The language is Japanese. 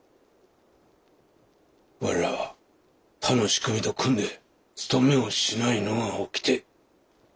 我らは他のしくみと組んで盗めをしないのが掟。